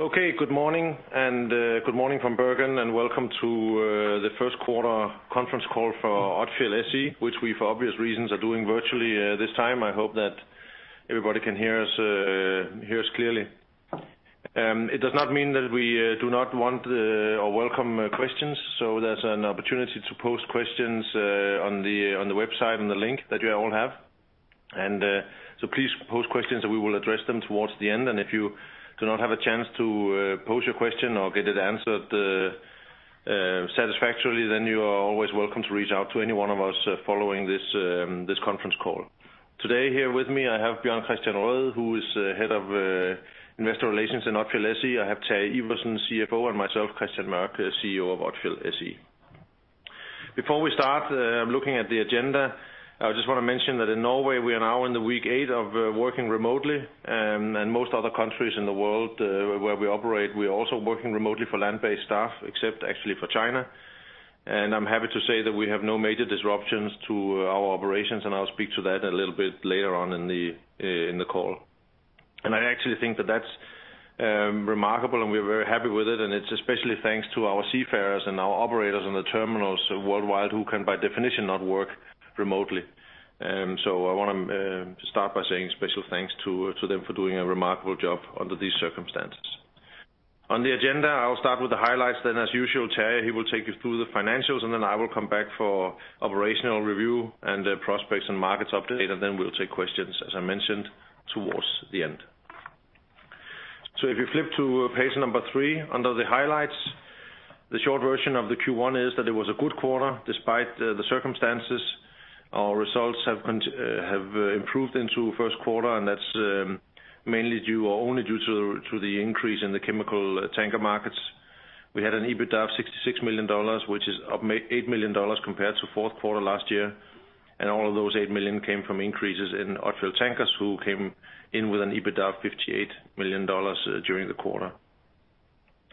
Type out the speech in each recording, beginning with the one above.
Okay. Good morning, good morning from Bergen, welcome to the first quarter conference call for Odfjell SE, which we, for obvious reasons, are doing virtually this time. I hope that everybody can hear us clearly. It does not mean that we do not want or welcome questions, there's an opportunity to post questions on the website, on the link that you all have. Please post questions and we will address them towards the end. If you do not have a chance to post your question or get it answered satisfactorily, you are always welcome to reach out to any one of us following this conference call. Today, here with me, I have Bjørn Kristian Røed, who is head of investor relations in Odfjell SE. I have Terje Iversen, CFO, and myself, Kristian Mørch, CEO of Odfjell SE. Before we start looking at the agenda, I just want to mention that in Norway, we are now in the week eight of working remotely. Most other countries in the world where we operate, we are also working remotely for land-based staff, except actually for China. I'm happy to say that we have no major disruptions to our operations, and I'll speak to that a little bit later on in the call. I actually think that that's remarkable, and we're very happy with it, and it's especially thanks to our seafarers and our operators on the terminals worldwide who can, by definition, not work remotely. I want to start by saying special thanks to them for doing a remarkable job under these circumstances. On the agenda, I'll start with the highlights. As usual, Terje, he will take you through the financials. I will come back for operational review and the prospects and markets update. We'll take questions, as I mentioned towards the end. If you flip to page number three, under the highlights, the short version of the Q1 is that it was a good quarter despite the circumstances. Our results have improved into first quarter. That's only due to the increase in the chemical tanker markets. We had an EBITDA of $66 million, which is up $8 million compared to fourth quarter last year. All of those $8 million came from increases in Odfjell Tankers, who came in with an EBITDA of $58 million during the quarter.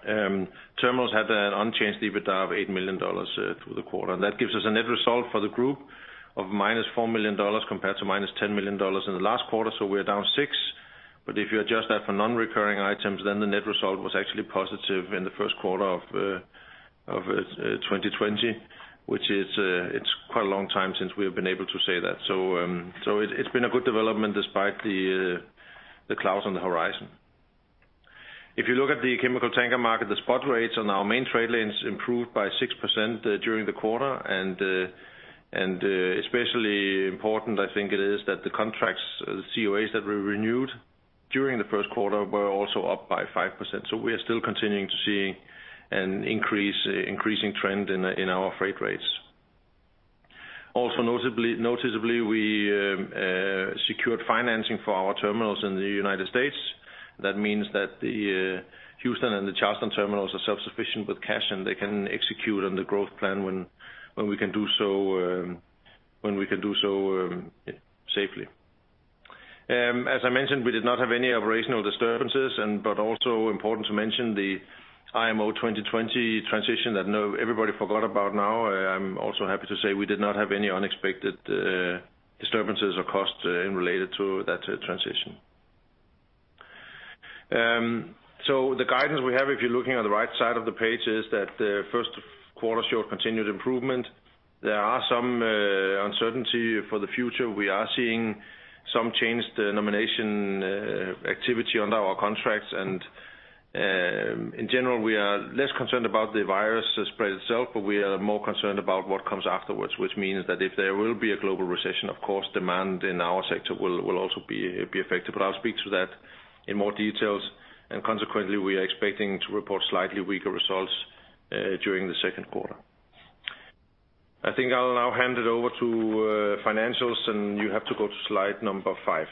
Terminals had an unchanged EBITDA of $8 million through the quarter. That gives us a net result for the group of minus $4 million compared to minus $110 million in the last quarter. We're down six. If you adjust that for non-recurring items, the net result was actually positive in the first quarter of 2020, which it's quite a long time since we have been able to say that. It's been a good development despite the clouds on the horizon. If you look at the chemical tanker market, the spot rates on our main trade lanes improved by 6% during the quarter, and especially important, I think it is, that the contracts, the COAs that were renewed during the first quarter were also up by 5%. We are still continuing to see an increasing trend in our freight rates. Also, noticeably, we secured financing for our terminals in the United States. That means that the Houston and the Charleston terminals are self-sufficient with cash, and they can execute on the growth plan when we can do so safely. As I mentioned, we did not have any operational disturbances, but also important to mention the IMO 2020 transition that now everybody forgot about now. I'm also happy to say we did not have any unexpected disturbances or cost related to that transition. The guidance we have, if you're looking at the right side of the page, is that the first quarter showed continued improvement. There are some uncertainty for the future. We are seeing some changed nomination activity under our contracts. In general, we are less concerned about the virus spread itself, but we are more concerned about what comes afterwards, which means that if there will be a global recession, of course, demand in our sector will also be affected. I'll speak to that in more details. Consequently, we are expecting to report slightly weaker results during the second quarter. I think I'll now hand it over to financials, and you have to go to slide number five.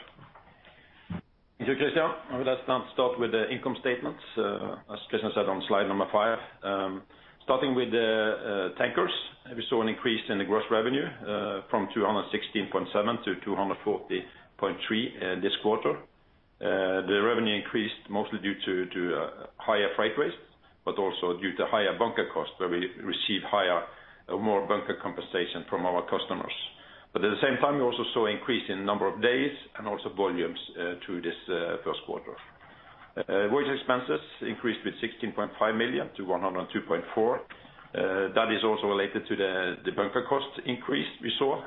Thank you, Kristian. Let's now start with the income statements. As Kristian said, on slide number five. Starting with the tankers, we saw an increase in the gross revenue from $216.7 million-$240.3 million this quarter. The revenue increased mostly due to higher freight rates, also due to higher bunker costs where we receive more bunker compensation from our customers. At the same time, we also saw increase in number of days and also volumes through this first quarter. Wage expenses increased with $16.5 million-$102.4 million. That is also related to the bunker cost increase we saw.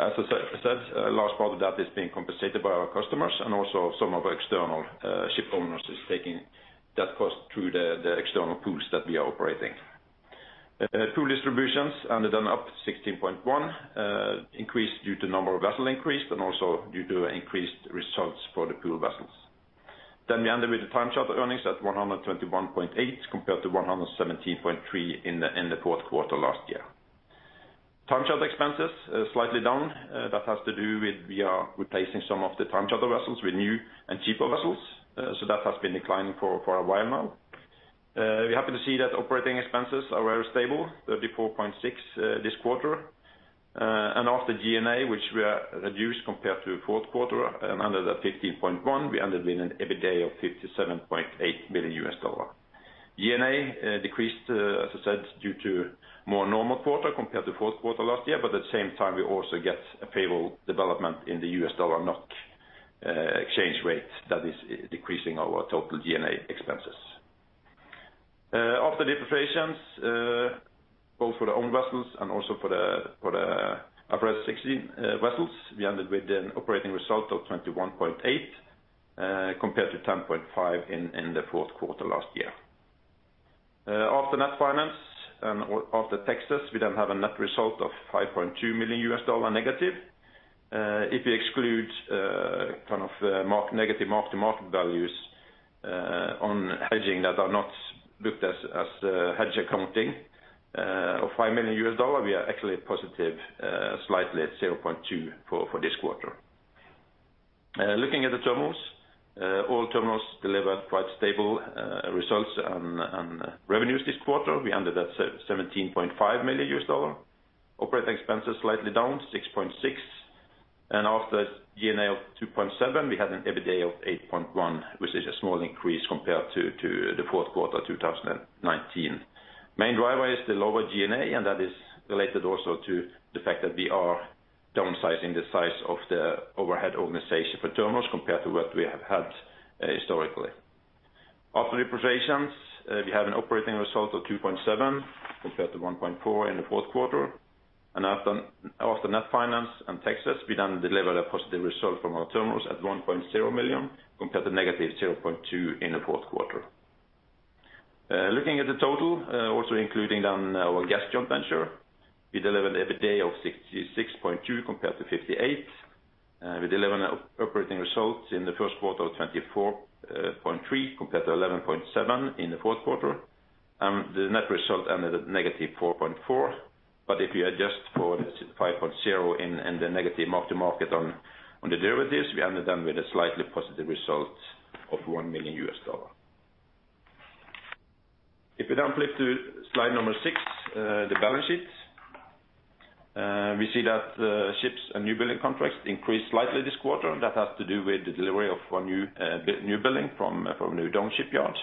As I said, a large part of that is being compensated by our customers and also some of our external ship owners is taking that cost through the external pools that we are operating. Pool distributions ended up $16.1 million, increased due to number of vessels increased, also due to increased results for the pool vessels. We ended with the time charter earnings at $121.8 million compared to $117.3 million in the fourth quarter last year. Time charter expenses, slightly down. That has to do with, we are replacing some of the time charter vessels with new and cheaper vessels. That has been declining for a while now. We are happy to see that operating expenses are very stable, $34.6 million this quarter. After G&A, which we are reduced compared to fourth quarter and under $15.1 million, we ended with an EBITDA of $57.8 million. G&A decreased, as I said, due to more normal quarter compared to fourth quarter last year. At the same time, we also get a favorable development in the U.S. dollar NOK exchange rate that is decreasing our total G&A expenses. After depreciation, both for the owned vessels and also for the IFRS 16 vessels, we ended with an operating result of $21.8 million, compared to $10.5 million in the fourth quarter last year. After net finance and after taxes, we then have a net result of $5.2 million negative. If you exclude negative mark-to-market values on hedging that are not looked as hedge accounting of $5 million, we are actually positive slightly at $0.2 million for this quarter. Looking at the terminals. All terminals delivered quite stable results and revenues this quarter. We ended at $17.5 million. Operating expenses slightly down $6.6 million and after G&A of $2.7 million, we had an EBITDA of $8.1 million, which is a small increase compared to the fourth quarter 2019. Main driver is the lower G&A, that is related also to the fact that we are downsizing the size of the overhead organization for terminals compared to what we have had historically. After depreciation, we have an operating result of $2.7 million compared to $1.4 million in the fourth quarter. After net finance and taxes, we delivered a positive result from our terminals at $1.0 million compared to -$0.2 million in the fourth quarter. Looking at the total, also including our gas joint venture, we delivered EBITDA of $66.2 million compared to $58 million. We deliver operating results in the first quarter of $24.3 million compared to $11.7 million in the fourth quarter. The net result ended at -$4.4 million. If you adjust for the $5.0 million in the negative mark-to-market on the derivatives, we ended with a slightly positive result of $1 million. If we flip to slide number six, the balance sheet. We see that ships and new building contracts increased slightly this quarter. That has to do with the delivery of one new building from Hudong-Zhonghua shipyards.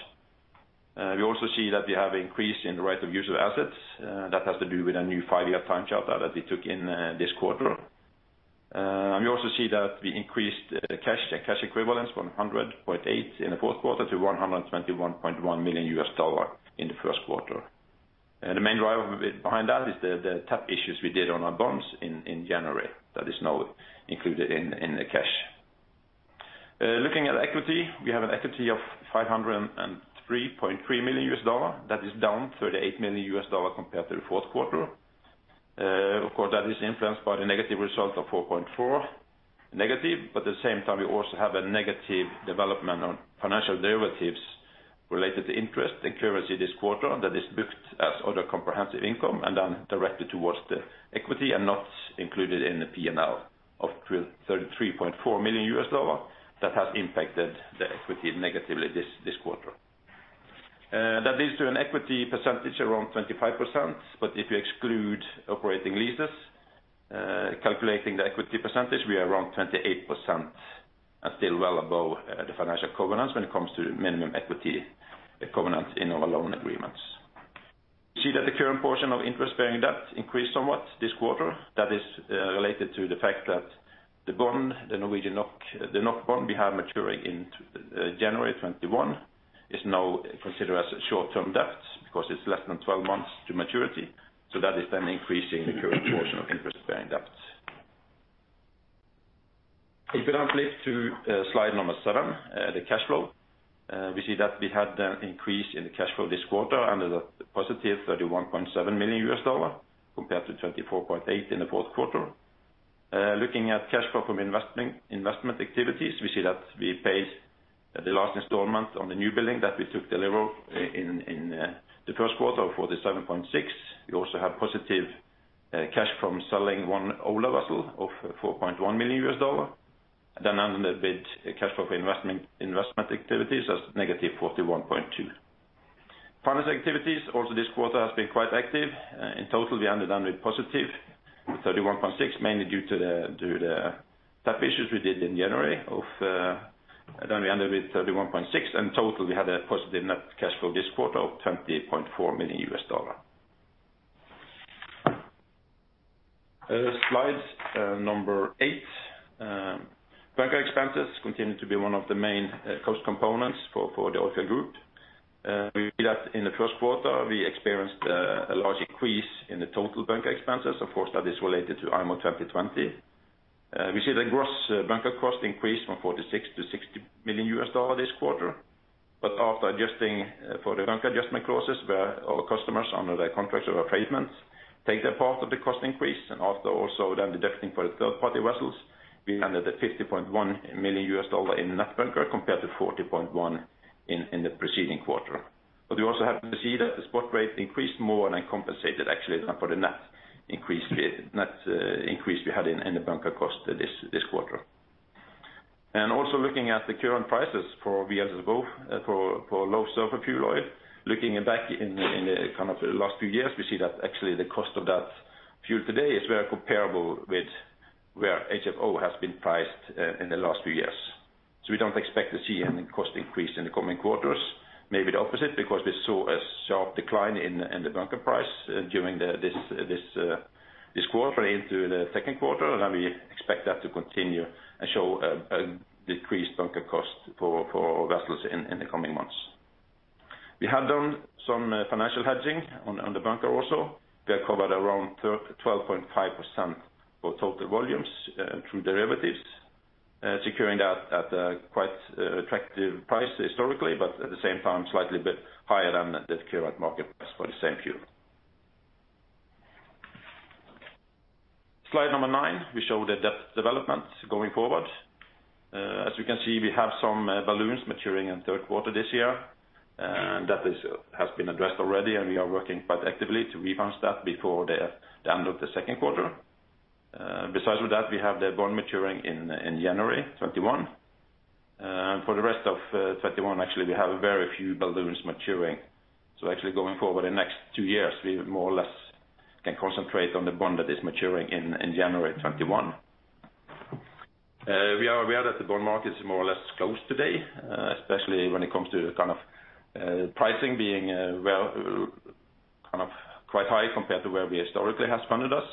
We also see that we have increase in the right-of-use assets. That has to do with a new five-year time charter that we took in this quarter. We also see that we increased cash and cash equivalents from $100.8 million in the fourth quarter to $121.1 million in the first quarter. The main driver behind that is the tap issues we did on our bonds in January that is now included in the cash. Looking at equity, we have an equity of $503.3 million. That is down $38 million compared to the fourth quarter. Of course, that is influenced by the negative result of $4.4 million negative. We also have a negative development on financial derivatives related to interest and currency this quarter that is booked as other comprehensive income and then directed towards the equity and not included in the P&L of $33.4 million that has impacted the equity negatively this quarter. That leads to an equity percentage around 25%. If you exclude operating leases, calculating the equity percentage, we are around 28% and still well above the financial covenants when it comes to minimum equity covenants in our loan agreements. We see that the current portion of interest-bearing debt increased somewhat this quarter. That is related to the fact that the bond, the NOK bond we have maturing in January 2021, is now considered as a short-term debt because it's less than 12 months to maturity. Increasing the current portion of interest-bearing debt. If you now flip to slide number seven, the cash flow. We see that we had an increase in the cash flow this quarter under the +$31.7 million compared to $24.8 million in the fourth quarter. Looking at cash flow from investment activities, we see that we paid the last installment on the new building that we took delivery in the first quarter of $47.6 million. We also have positive cash from selling one older vessel of $4.1 million. Ended with cash flow for investment activities as -$41.2 million. Finance activities also this quarter has been quite active. In total, we ended with +$31.6 million mainly due to the tap issues we did in January. We ended with $31.6 million and total we had a positive net cash flow this quarter of $20.4 million. Slide number eight. Bunker expenses continue to be one of the main cost components for the Odfjell Group. We see that in the first quarter, we experienced a large increase in the total bunker expenses. Of course, that is related to IMO 2020. We see the gross bunker cost increased from $46 million-$60 million this quarter. After adjusting for the bunker adjustment clauses where our customers, under the contracts of affreightment, take their part of the cost increase and after also then deducting for the third party vessels, we ended at $50.1 million in net bunker compared to $40.1 million in the preceding quarter. You also have to see that the spot rate increased more than compensated actually for the net increase we had in the bunker cost this quarter. Also looking at the current prices for VLSFO, for low sulfur fuel oil, looking back in the last few years, we see that actually the cost of that fuel today is very comparable with where HFO has been priced in the last few years. We don't expect to see any cost increase in the coming quarters. Maybe the opposite, because we saw a sharp decline in the bunker price during this quarter into the second quarter, and we expect that to continue and show a decreased bunker cost for our vessels in the coming months. We have done some financial hedging on the bunker also. We have covered around12%-12.5% of total volumes through derivatives, securing that at a quite attractive price historically, but at the same time, slightly bit higher than the current market price for the same fuel. Slide number nine, we show the debt development going forward. As you can see, we have some balloons maturing in third quarter this year, and that has been addressed already, and we are working quite actively to refinance that before the end of the second quarter. Besides that, we have the bond maturing in January 2021. For the rest of 2021, actually, we have very few balloons maturing. Actually going forward the next two years, we more or less can concentrate on the bond that is maturing in January 2021. We are aware that the bond market is more or less closed today, especially when it comes to pricing being quite high compared to where we historically has funded us.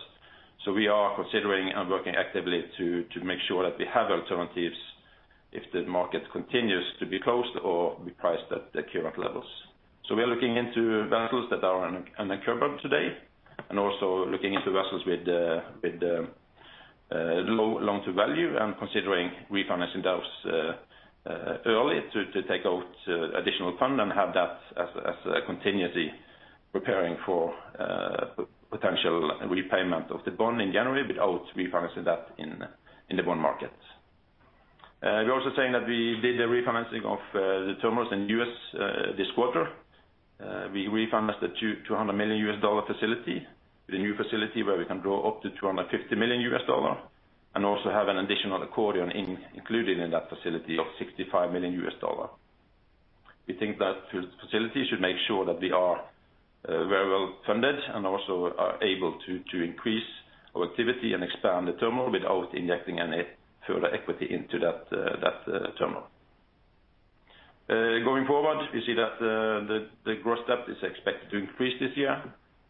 We are considering and working actively to make sure that we have alternatives if the market continues to be closed or be priced at the current levels. We are looking into vessels that are unencumbered today and also looking into vessels with low loan to value and considering refinancing those early to take out additional fund and have that as continuously preparing for potential repayment of the bond in January without refinancing that in the bond market. We're also saying that we did a refinancing of the terminals in the U.S. this quarter. We refinanced the $200 million facility with a new facility where we can draw up to $250 million and also have an additional accordion included in that facility of $65 million. We think that facility should make sure that we are very well funded and also are able to increase our activity and expand the terminal without injecting any further equity into that terminal. Going forward, we see that the gross debt is expected to increase this year.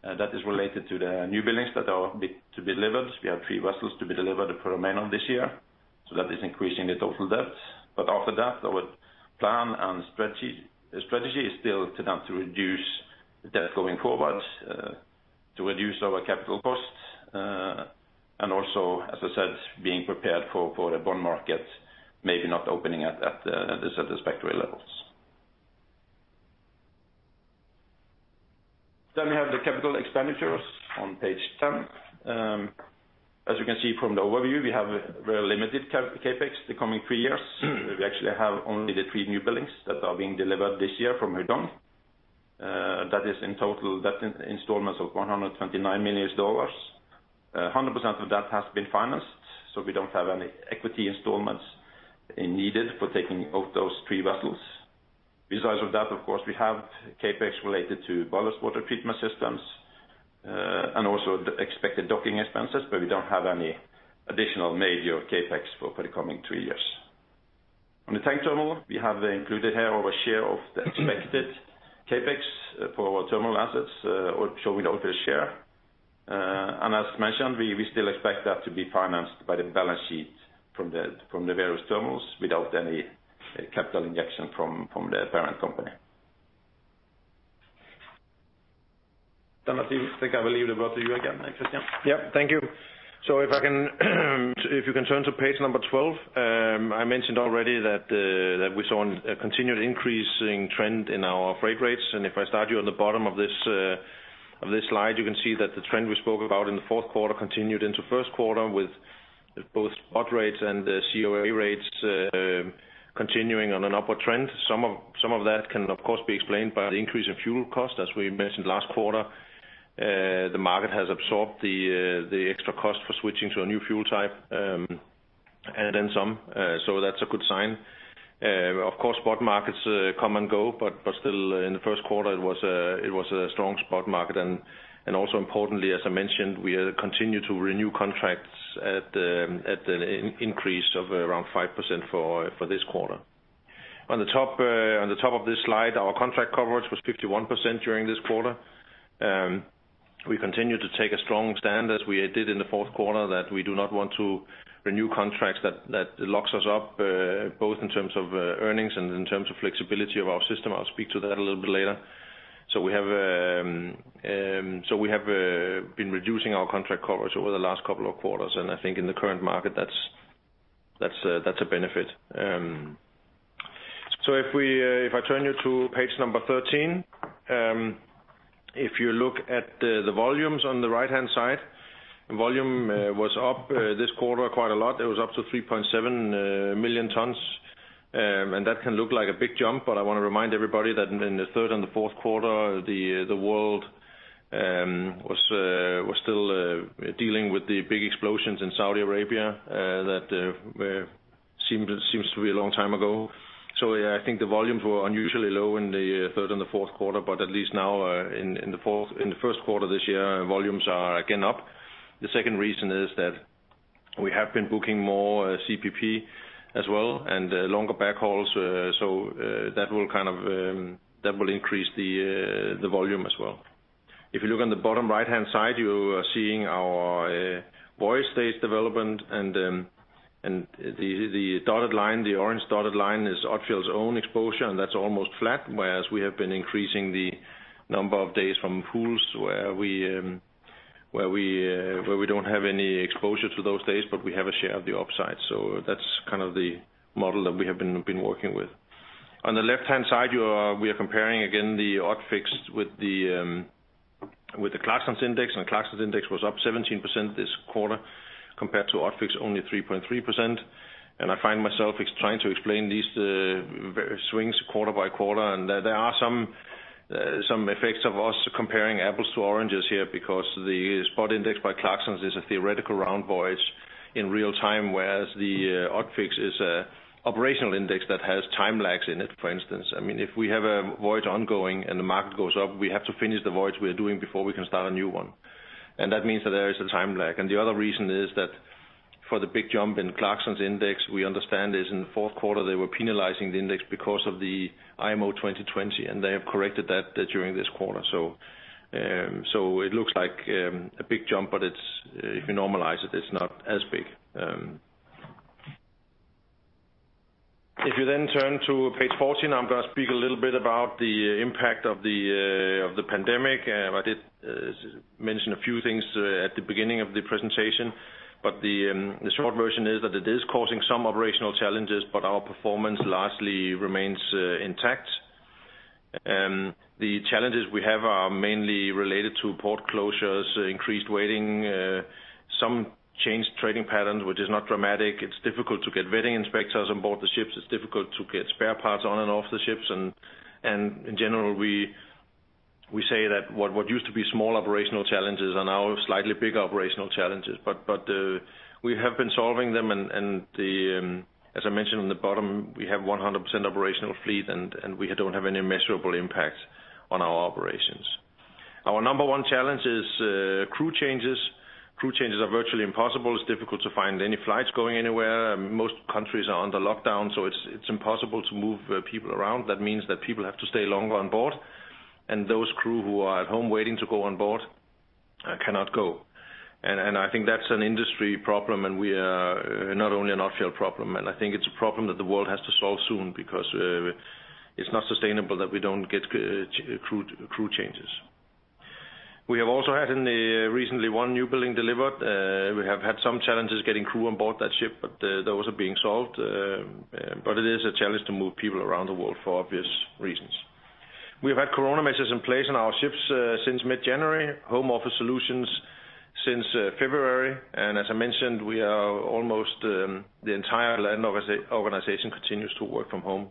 That is related to the new buildings that are to be delivered. We have three vessels to be delivered to remain this year, that is increasing the total debt. After that, our plan and strategy is still to reduce debt going forward, to reduce our capital costs, and also, as I said, being prepared for the bond market, maybe not opening at the satisfactory levels. We have the capital expenditures on page 10. As you can see from the overview, we have very limited CapEx the coming three years. We actually have only the three new buildings that are being delivered this year from Hudong. That is in total debt installments of $129 million. 100% of that has been financed, we don't have any equity installments needed for taking out those three vessels. Besides that, of course, we have CapEx related to ballast water treatment systems and also the expected docking expenses, but we don't have any additional major CapEx for the coming three years. On the tank terminal, we have included here our share of the expected CapEx for our terminal assets, so with our share. As mentioned, we still expect that to be financed by the balance sheet from the various terminals without any capital injection from the parent company. I think I will leave the word to you again, Kristian. Yeah, thank you. If you can turn to page number 12. I mentioned already that we saw a continued increasing trend in our freight rates. If I start you on the bottom of this slide, you can see that the trend we spoke about in the fourth quarter continued into first quarter with both spot rates and the COA rates continuing on an upward trend. Some of that can, of course, be explained by the increase in fuel cost. As we mentioned last quarter, the market has absorbed the extra cost for switching to a new fuel type and then some. That's a good sign. Of course, spot markets come and go, still in the first quarter it was a strong spot market and also importantly, as I mentioned, we continue to renew contracts at an increase of around 5% for this quarter. On the top of this slide, our contract coverage was 51% during this quarter. We continue to take a strong stand as we did in the fourth quarter that we do not want to renew contracts that locks us up both in terms of earnings and in terms of flexibility of our system. I'll speak to that a little bit later. We have been reducing our contract coverage over the last couple of quarters, and I think in the current market that's a benefit. If I turn you to page 13. If you look at the volumes on the right-hand side, volume was up this quarter quite a lot. It was up to 3.7 million tons, and that can look like a big jump, but I want to remind everybody that in the third and the fourth quarter, the world was still dealing with the big explosions in Saudi Arabia that were. Seems to be a long time ago. Yeah, I think the volumes were unusually low in the third and the fourth quarter, but at least now in the first quarter this year, volumes are again up. The second reason is that we have been booking more CPP as well, and longer backhauls, so that will increase the volume as well. If you look on the bottom right-hand side, you are seeing our voyage days development and the orange dotted line is Odfjell's own exposure, and that's almost flat. Whereas we have been increasing the number of days from pools where we don't have any exposure to those days, but we have a share of the upside. That's kind of the model that we have been working with. On the left-hand side, we are comparing again, the ODFIX with the Clarksons Index, and Clarksons Index was up 17% this quarter compared to ODFIX only 3.3%. I find myself trying to explain these swings quarter by quarter, and there are some effects of us comparing apples to oranges here because the spot index by Clarksons is a theoretical round voyage in real time. Whereas the ODFIX is a operational index that has time lags in it, for instance. If we have a voyage ongoing and the market goes up, we have to finish the voyage we are doing before we can start a new one. That means that there is a time lag. The other reason is that for the big jump in Clarksons Index, we understand is in the fourth quarter, they were penalizing the Index because of the IMO 2020, and they have corrected that during this quarter. It looks like a big jump, but if you normalize it's not as big. If you turn to page 14, I'm going to speak a little bit about the impact of the pandemic. I did mention a few things at the beginning of the presentation, but the short version is that it is causing some operational challenges, but our performance largely remains intact. The challenges we have are mainly related to port closures, increased waiting, some changed trading patterns, which is not dramatic. It's difficult to get vetting inspectors on board the ships. It's difficult to get spare parts on and off the ships. In general, we say that what used to be small operational challenges are now slightly bigger operational challenges. We have been solving them and as I mentioned on the bottom, we have 100% operational fleet and we don't have any measurable impact on our operations. Our number one challenge is crew changes. Crew changes are virtually impossible. It's difficult to find any flights going anywhere. Most countries are under lockdown, so it's impossible to move people around. That means that people have to stay longer on board, and those crew who are at home waiting to go on board cannot go. I think that's an industry problem and not only an Odfjell problem. I think it's a problem that the world has to solve soon because it's not sustainable that we don't get crew changes. We have also had in the recently one new building delivered. We have had some challenges getting crew on board that ship, but those are being solved. It is a challenge to move people around the world for obvious reasons. We've had corona measures in place on our ships since mid-January, home office solutions since February, and as I mentioned, almost the entire land organization continues to work from home.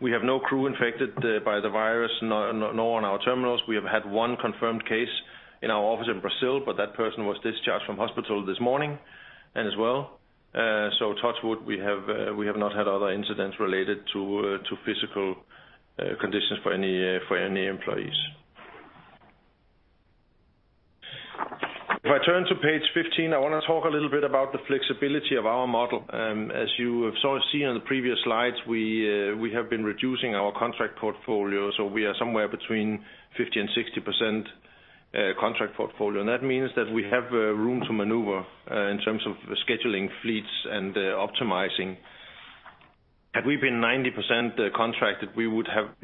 We have no crew infected by the virus, nor on our terminals. We have had one confirmed case in our office in Brazil, but that person was discharged from hospital this morning as well. Touch wood, we have not had other incidents related to physical conditions for any employees. If I turn to page 15, I want to talk a little bit about the flexibility of our model. As you have sort of seen on the previous slides, we have been reducing our contract portfolio, so we are somewhere between 50 and 60% contract portfolio. That means that we have room to maneuver in terms of scheduling fleets and optimizing. Had we been 90% contracted, we would have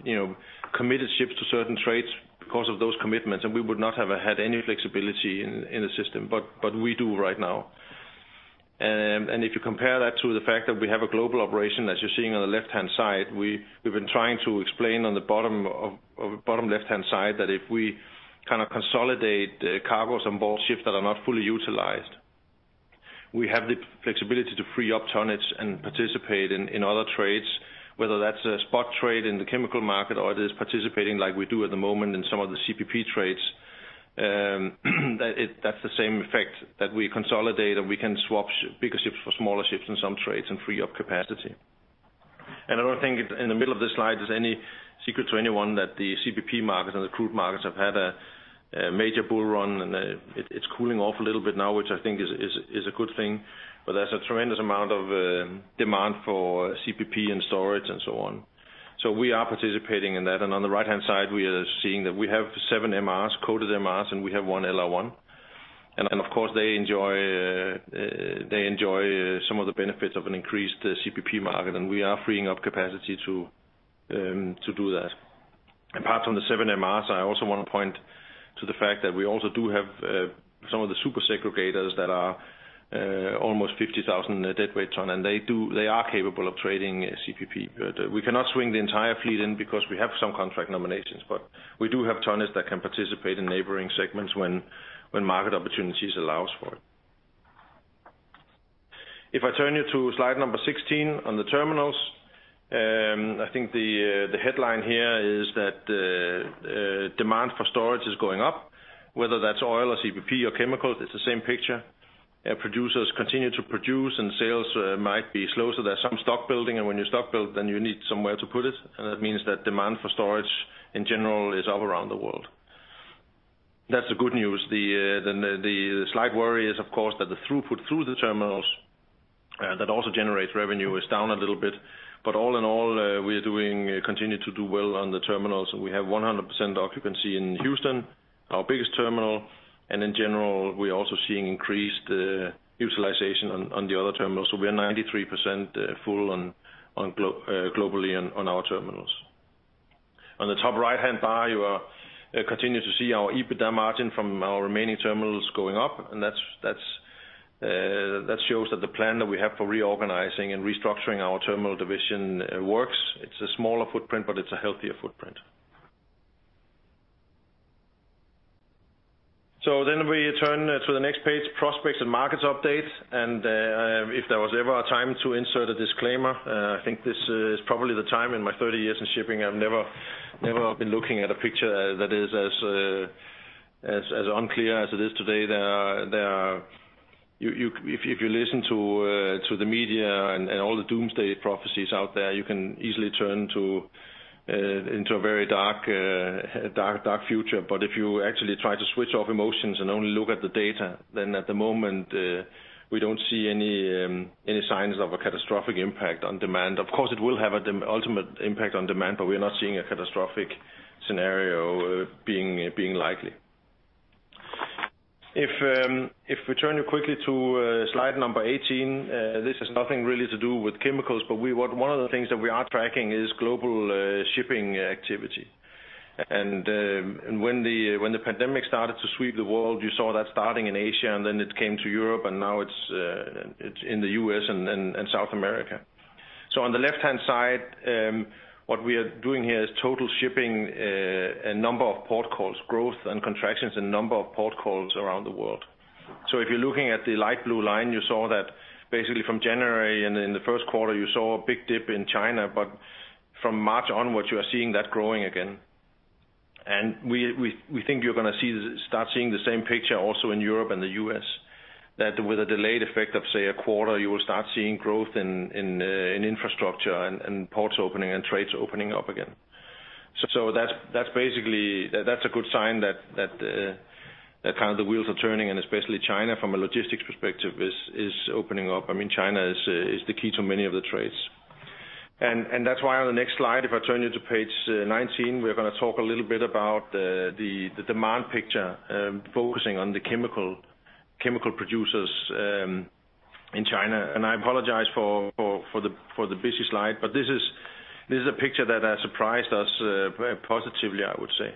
committed ships to certain trades because of those commitments, and we would not have had any flexibility in the system. We do right now. If you compare that to the fact that we have a global operation, as you're seeing on the left-hand side, we've been trying to explain on the bottom left-hand side that if we kind of consolidate cargoes on board ships that are not fully utilized, we have the flexibility to free up tonnage and participate in other trades, whether that's a spot trade in the chemical market or it is participating like we do at the moment in some of the CPP trades. That's the same effect, that we consolidate and we can swap bigger ships for smaller ships in some trades and free up capacity. I don't think in the middle of this slide there's any secret to anyone that the CPP market and the crude markets have had a major bull run and it's cooling off a little bit now, which I think is a good thing. There's a tremendous amount of demand for CPP and storage and so on. We are participating in that. On the right-hand side, we are seeing that we have seven MRs, coated MRs, and we have one LR1. Of course, they enjoy some of the benefits of an increased CPP market and we are freeing up capacity to do that. Apart from the seven MRs, I also want to point to the fact that we also do have some of the super segregators that are almost 50,000 deadweight ton, and they are capable of trading CPP. We cannot swing the entire fleet in because we have some contract nominations, but we do have tonnage that can participate in neighboring segments when market opportunities allows for it. I turn you to slide number 16 on the terminals. I think the headline here is that demand for storage is going up, whether that's oil or CPP or chemicals, it's the same picture. Producers continue to produce and sales might be slow, so there's some stock-building. When you stock-build, then you need somewhere to put it, and that means that demand for storage in general is up around the world. That's the good news. The slight worry is, of course, that the throughput through the terminals that also generates revenue is down a little bit. All in all, we're doing well on the terminals. We have 100% occupancy in Houston, our biggest terminal. In general, we are also seeing increased utilization on the other terminals. We are 93% full globally on our terminals. On the top right-hand bar, you continue to see our EBITDA margin from our remaining terminals going up. That shows that the plan that we have for reorganizing and restructuring our terminal division works. It is a smaller footprint, but it is a healthier footprint. We turn to the next page, prospects and markets update. If there was ever a time to insert a disclaimer, I think this is probably the time. In my 30 years in shipping, I have never been looking at a picture that is as unclear as it is today. If you listen to the media and all the doomsday prophecies out there, you can easily turn into a very dark future. If you actually try to switch off emotions and only look at the data, then at the moment, we don't see any signs of a catastrophic impact on demand. Of course, it will have an ultimate impact on demand, but we are not seeing a catastrophic scenario being likely. If we turn quickly to slide number 18, this has nothing really to do with chemicals, but one of the things that we are tracking is global shipping activity. When the pandemic started to sweep the world, you saw that starting in Asia, and then it came to Europe, and now it's in the U.S. and South America. On the left-hand side, what we are doing here is total shipping, number of port calls, growth and contractions in number of port calls around the world. If you're looking at the light blue line, you saw that basically from January and in the first quarter, you saw a big dip in China. From March onwards, you are seeing that growing again. We think you're going to start seeing the same picture also in Europe and the U.S. That with a delayed effect of, say, a quarter, you will start seeing growth in infrastructure and ports opening and trades opening up again. That's a good sign that the wheels are turning, and especially China, from a logistics perspective, is opening up. China is the key to many of the trades. That's why on the next slide, if I turn you to page 19, we're going to talk a little bit about the demand picture, focusing on the chemical producers in China. I apologize for the busy slide, this is a picture that has surprised us very positively, I would say.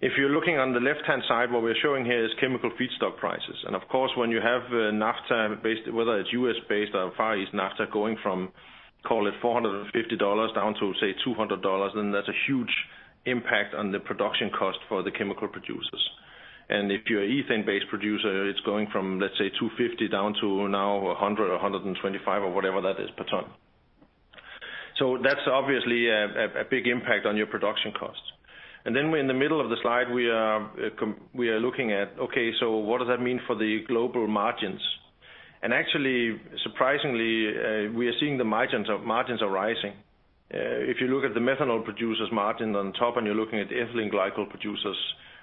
If you're looking on the left-hand side, what we're showing here is chemical feedstock prices. Of course, when you have naphtha, whether it's U.S.-based or Far East naphtha, going from, call it $450 down to, say, $200, that's a huge impact on the production cost for the chemical producers. If you're an ethane-based producer, it's going from, let's say, $250 down to now $100 or $125 or whatever that is per ton. That's obviously a big impact on your production cost. In the middle of the slide, we are looking at, okay, what does that mean for the global margins? Actually, surprisingly, we are seeing the margins are rising. If you look at the methanol producers' margin on top, and you're looking at the ethylene glycol producers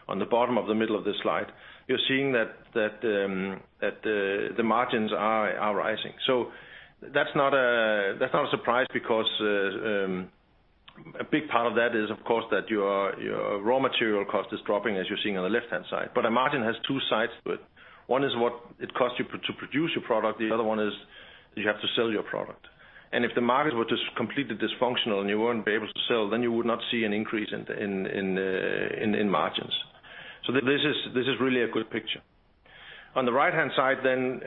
on the bottom of the middle of this slide, you're seeing that the margins are rising. That's not a surprise because a big part of that is, of course, that your raw material cost is dropping, as you're seeing on the left-hand side. A margin has two sides to it. One is what it costs you to produce your product. The other one is you have to sell your product. If the market were just completely dysfunctional and you won't be able to sell, then you would not see an increase in margins. This is really a good picture. On the right-hand side then,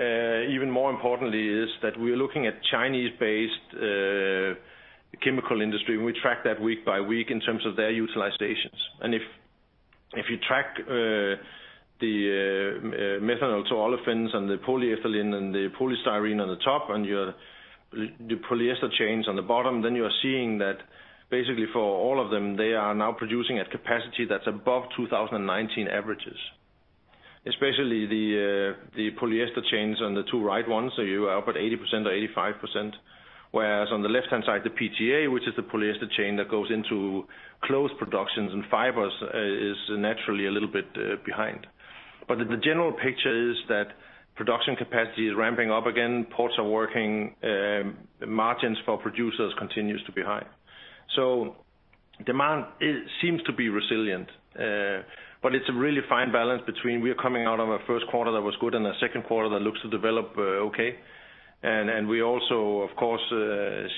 even more importantly, is that we are looking at Chinese-based chemical industry, and we track that week by week in terms of their utilizations. If you track the methanol to olefins and the polyethylene and the polystyrene on the top and your polyester chains on the bottom, then you are seeing that basically for all of them, they are now producing at capacity that's above 2019 averages. Especially the polyester chains on the two right ones, you are up at 80%,85%. Whereas on the left-hand side, the PTA, which is the polyester chain that goes into clothes productions and fibers, is naturally a little bit behind. The general picture is that production capacity is ramping up again. Ports are working. Margins for producers continues to be high. Demand seems to be resilient. It's a really fine balance between we are coming out of a first quarter that was good and a second quarter that looks to develop okay, and we also, of course,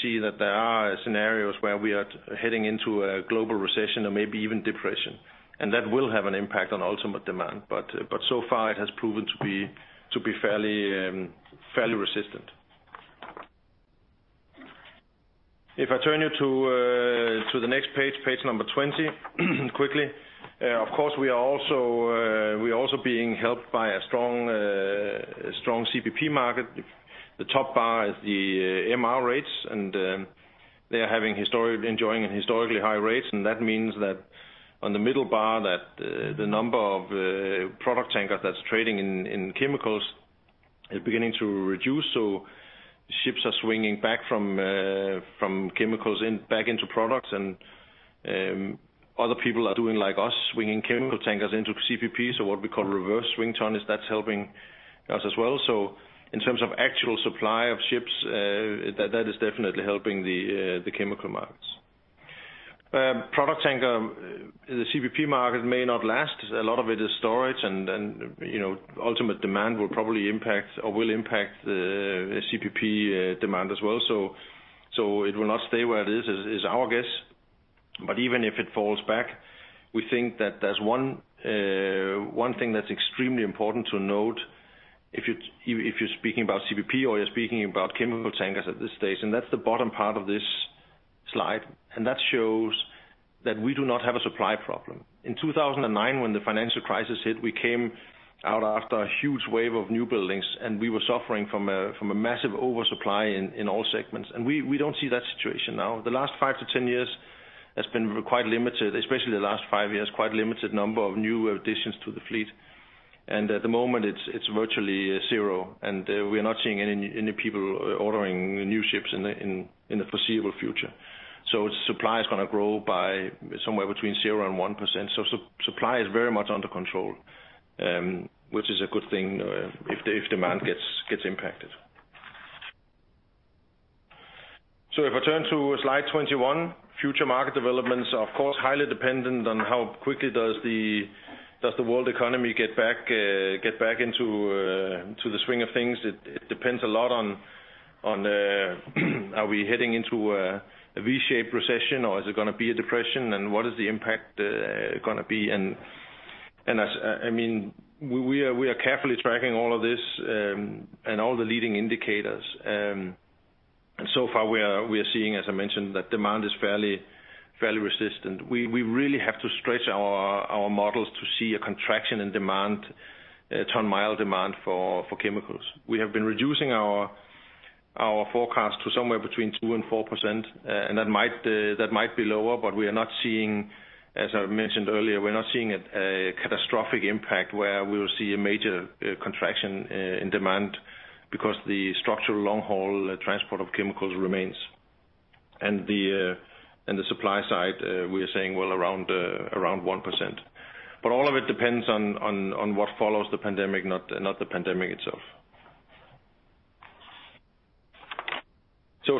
see that there are scenarios where we are heading into a global recession or maybe even depression. That will have an impact on ultimate demand. So far, it has proven to be fairly resistant. If I turn you to the next page number 20, quickly. Of course, we are also being helped by a strong CPP market. The top bar is the MR rates, and they're enjoying historically high rates. That means that on the middle bar, that the number of product tankers that's trading in chemicals is beginning to reduce. Ships are swinging back from chemicals and back into products. Other people are doing like us, swinging chemical tankers into CPP, so what we call reverse swing charters, that's helping us as well. In terms of actual supply of ships, that is definitely helping the chemical markets. Product tanker, the CPP market may not last. A lot of it is storage and ultimate demand will probably impact, or will impact the CPP demand as well. It will not stay where it is our guess. Even if it falls back, we think that there's one thing that's extremely important to note. If you're speaking about CPP or you're speaking about chemical tankers at this stage, and that's the bottom part of this slide. That shows that we do not have a supply problem. In 2009, when the financial crisis hit, we came out after a huge wave of new buildings, and we were suffering from a massive oversupply in all segments. We don't see that situation now. The last five to 10 years has been quite limited, especially the last five years, quite limited number of new additions to the fleet. At the moment it's virtually zero. We're not seeing any new people ordering new ships in the foreseeable future. Supply is going to grow by somewhere between 0% and 1%. Supply is very much under control, which is a good thing if demand gets impacted. If I turn to slide 21, future market developments are, of course, highly dependent on how quickly does the world economy get back into the swing of things. It depends a lot on, are we heading into a V-shaped recession or is it going to be a depression? What is the impact going to be? We are carefully tracking all of this, and all the leading indicators. So far we are seeing, as I mentioned, that demand is fairly resistant. We really have to stretch our models to see a contraction in tonne mile demand for chemicals. We have been reducing our forecast to somewhere between 2% and 4%, and that might be lower, but we are not seeing, as I mentioned earlier, we're not seeing a catastrophic impact where we will see a major contraction in demand because the structural long haul transport of chemicals remains. The supply side, we are saying, well, around 1%. All of it depends on what follows the pandemic, not the pandemic itself.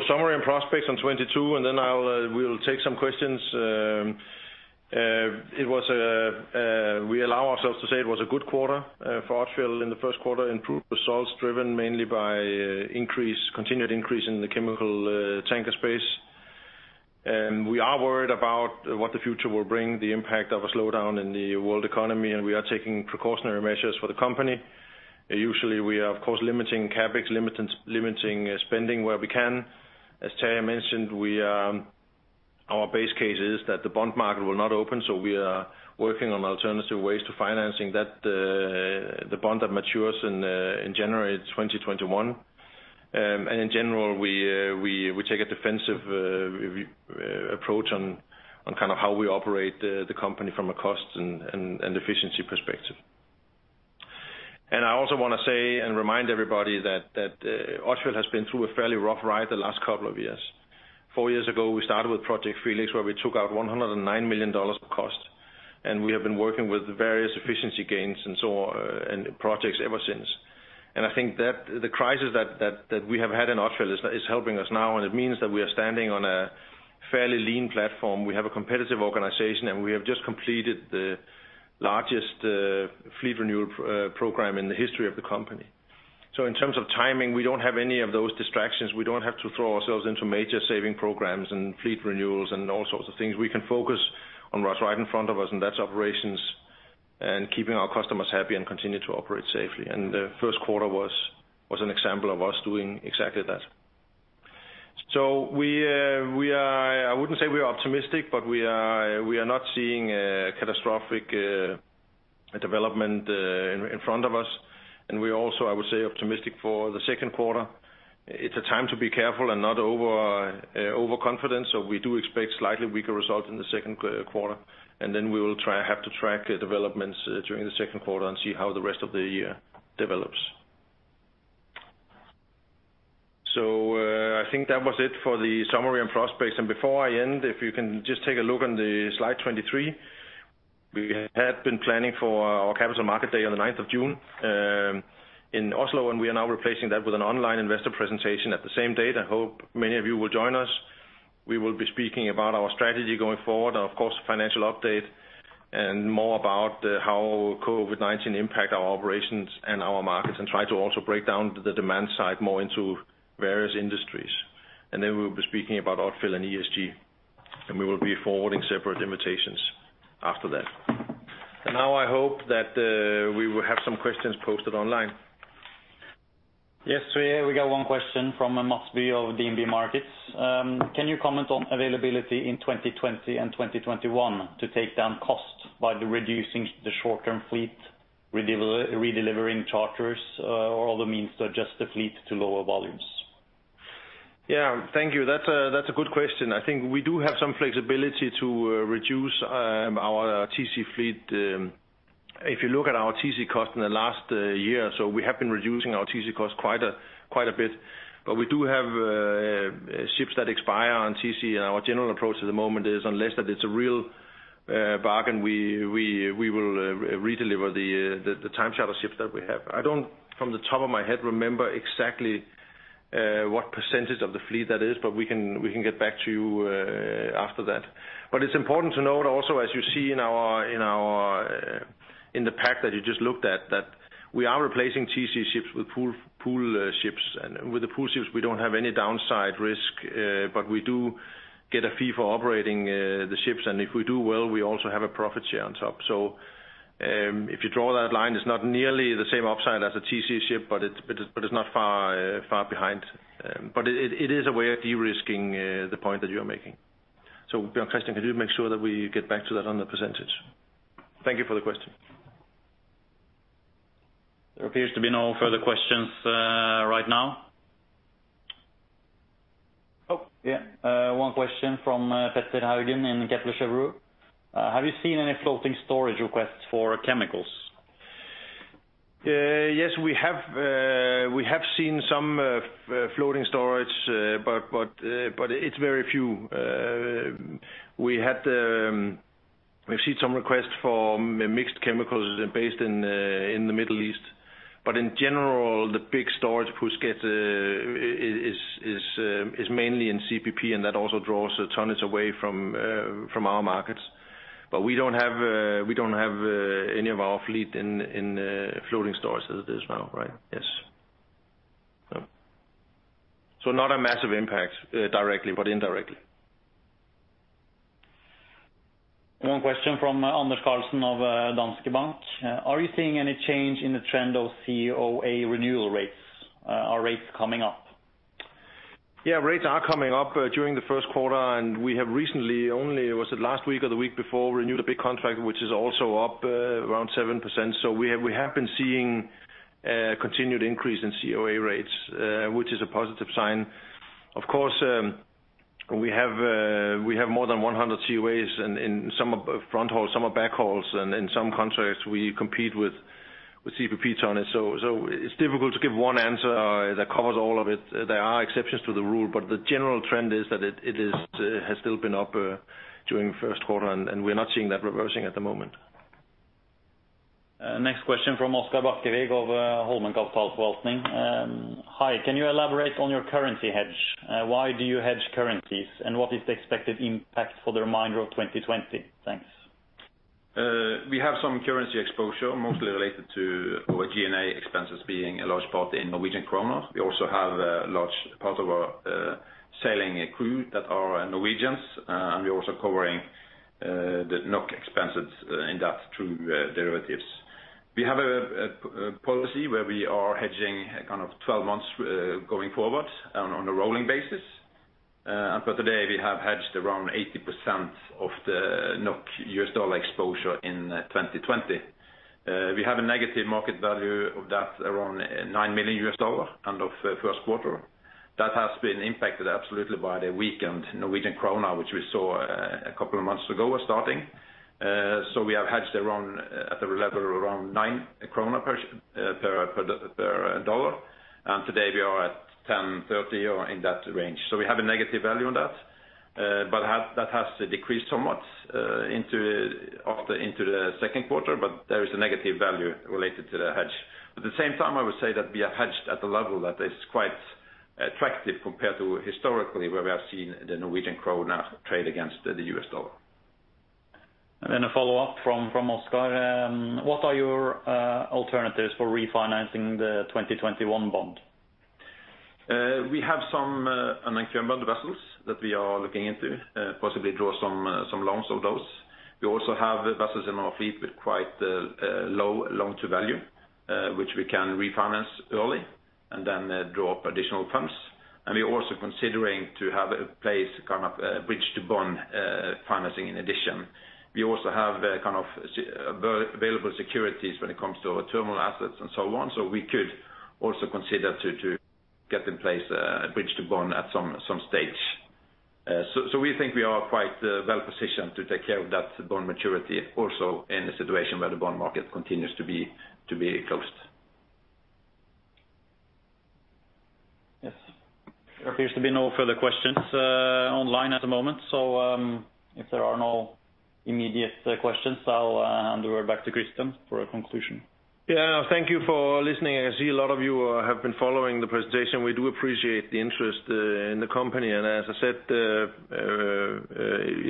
Summary and prospects on 2022, then we'll take some questions. We allow ourselves to say it was a good quarter for Odfjell in the first quarter. Improved results driven mainly by continued increase in the chemical tanker space. We are worried about what the future will bring, the impact of a slowdown in the world economy, and we are taking precautionary measures for the company. Usually, we are, of course, limiting CapEx, limiting spending where we can. As Terje mentioned, our base case is that the bond market will not open, so we are working on alternative ways to financing the bond that matures in January 2021. In general, we take a defensive approach on how we operate the company from a cost and efficiency perspective. I also want to say and remind everybody that Odfjell has been through a fairly rough ride the last couple of years. Four years ago, we started with Project Felix, where we took out $109 million of cost, and we have been working with various efficiency gains and so on, and projects ever since. I think that the crisis that we have had in Odfjell is helping us now, and it means that we are standing on a fairly lean platform. We have a competitive organization, and we have just completed the largest fleet renewal program in the history of the company. In terms of timing, we don't have any of those distractions. We don't have to throw ourselves into major saving programs and fleet renewals and all sorts of things. We can focus on what's right in front of us, and that's operations and keeping our customers happy and continue to operate safely. The first quarter was an example of us doing exactly that. I wouldn't say we are optimistic, but we are not seeing a catastrophic development in front of us. We are also, I would say, optimistic for the second quarter. It's a time to be careful and not overconfident. We do expect slightly weaker results in the second quarter, and then we will have to track developments during the second quarter and see how the rest of the year develops. I think that was it for the summary and prospects. Before I end, if you can just take a look on the slide 23. We had been planning for our capital market day on the 9th of June in Oslo. We are now replacing that with an online investor presentation at the same date. I hope many of you will join us. We will be speaking about our strategy going forward and, of course, financial update and more about how COVID-19 impact our operations and our markets. Try to also break down the demand side more into various industries. We will be speaking about Odfjell and ESG. We will be forwarding separate invitations after that. Now I hope that we will have some questions posted online. Yes, we got one question from Mads Bie of DNB Markets. Can you comment on availability in 2020 and 2021 to take down costs by reducing the short-term fleet, redelivering charters, or other means to adjust the fleet to lower volumes? Yeah, thank you. That's a good question. I think we do have some flexibility to reduce our TC fleet. If you look at our TC cost in the last year, we have been reducing our TC cost quite a bit, but we do have ships that expire on TC, and our general approach at the moment is, unless that it's a real bargain, we will redeliver the time charter ships that we have. I don't, from the top of my head, remember exactly what percentage of the fleet that is, but we can get back to you after that. It's important to note also, as you see in the pack that you just looked at, that we are replacing TC ships with pool ships. With the pool ships, we don't have any downside risk, but we do get a fee for operating the ships. If we do well, we also have a profit share on top. If you draw that line, it's not nearly the same upside as a TC ship, but it's not far behind. It is a way of de-risking the point that you're making. Bjørn Kristian, can you make sure that we get back to that on the percentage? Thank you for the question. There appears to be no further questions right now. Oh, yeah. One question from Petter Haugen in Kepler Cheuvreux. Have you seen any floating storage requests for chemicals? We have seen some floating storage, but it's very few. We've seen some requests for mixed chemicals based in the Middle East. In general, the big storage push is mainly in CPP, and that also draws the tonnage away from our markets. We don't have any of our fleet in floating storage as it is now, right? Not a massive impact directly, but indirectly. One question from Anders Karlsen of Danske Bank. Are you seeing any change in the trend of COA renewal rates? Are rates coming up? Yeah, rates are coming up during the first quarter, and we have recently only, was it last week or the week before, renewed a big contract which is also up around 7%. We have been seeing a continued increase in COA rates, which is a positive sign. Of course, we have more than 100 COAs and some are front hauls, some are back hauls, and in some contracts, we compete with CPP tonnage. It is difficult to give one answer that covers all of it. There are exceptions to the rule, but the general trend is that it has still been up during the first quarter, and we are not seeing that reversing at the moment. Next question from Oskar Bakkevig of Holmen Fondsforvaltning. Hi, can you elaborate on your currency hedge? Why do you hedge currencies, what is the expected impact for the remainder of 2020? Thanks. We have some currency exposure, mostly related to our G&A expenses being a large part in NOK. We also have a large part of our sailing crew that are Norwegians, and we are also covering the NOK expenses in that through derivatives. We have a policy where we are hedging kind of 12 months going forward on a rolling basis. For today, we have hedged around 80% of the NOK USD exposure in 2020. We have a negative market value of that around $9 million end of first quarter. That has been impacted absolutely by the weakened NOK, which we saw a couple of months ago starting. We have hedged at the level of around 9 krone per USD. Today we are at 10.30 or in that range. We have a negative value on that. That has decreased somewhat into the second quarter, but there is a negative value related to the hedge. At the same time, I would say that we are hedged at a level that is quite attractive compared to historically where we have seen the Norwegian kroner trade against the U.S. dollar. A follow-up from Oskar. What are your alternatives for refinancing the 2021 bond? We have some unencumbered vessels that we are looking into, possibly draw some loans on those. We also have vessels in our fleet with quite low loan to value, which we can refinance early and then draw up additional funds. We are also considering to have in place a kind of bridge to bond financing in addition. We also have available securities when it comes to terminal assets and so on. We could also consider to get in place a bridge to bond at some stage. We think we are quite well positioned to take care of that bond maturity also in a situation where the bond market continues to be closed. Yes. There appears to be no further questions online at the moment. If there are no immediate questions, I'll hand over back to Kristian for a conclusion. Yeah. Thank you for listening. I see a lot of you have been following the presentation. We do appreciate the interest in the company. As I said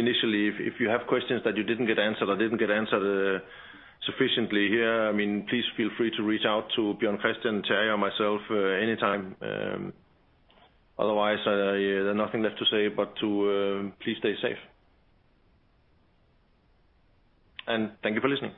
initially, if you have questions that you didn't get answered or didn't get answered sufficiently here, please feel free to reach out to Bjørn Kristian, Terje, or myself anytime. Otherwise, there's nothing left to say, but to please stay safe. Thank you for listening.